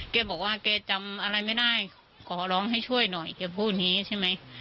แกบอกว่าแกจำอะไรไม่ได้ขอร้องให้ช่วยหน่อยแกพูดอย่างนี้ใช่ไหม